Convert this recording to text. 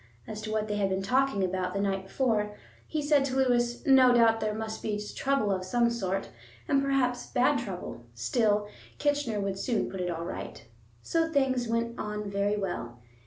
As to what they had been talking about the night before, he said to Lewis, no doubt there must be trouble of some sort, and perhaps bad trouble; still, Kitchener would soon put it all right. So things went on very well.